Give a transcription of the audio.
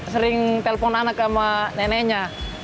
sering telpon anak sama neneknya